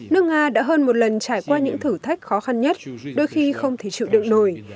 nước nga đã hơn một lần trải qua những thử thách khó khăn nhất đôi khi không thể chịu được nổi